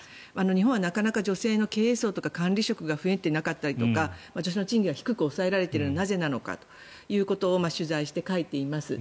日本はなかなか女性の経営層とか管理職が増えてなかったりりか女性の賃金が低く抑えられているのはなぜなのかということを取材して書いています。